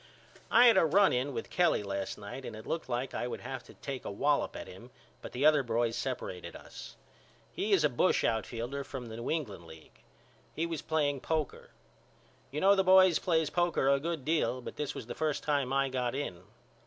I had a run in with Kelly last night and it looked like I would have to take a wallop at him but the other boys seperated us. He is a bush outfielder from the New England League. We was playing poker. You know the boys plays poker a good deal but this was the first time I got in.